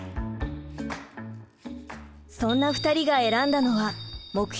そんな２人が選んだのは目標